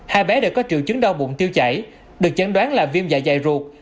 hai bé đều có triệu chứng đau bụng tiêu chảy được chẩn đoán là viêm dạ dày ruột